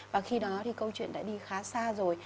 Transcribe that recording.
và khi đó thì câu chuyện đã đi khá xa rồi